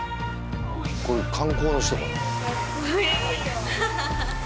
これ観光の人かな？